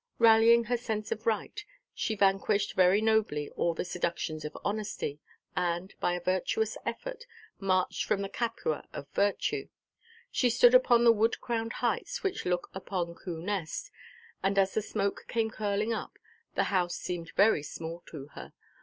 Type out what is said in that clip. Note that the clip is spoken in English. Rallying her sense of right, she vanquished very nobly all the seductions of honesty, and, by a virtuous effort, marched from the Capua of virtue. She stood upon the wood–crowned heights which look upon Coo Nest, and as the smoke came curling up, the house seemed very small to her.